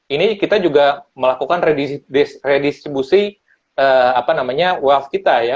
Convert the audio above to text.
ini kita juga melakukan redistribusi welf kita ya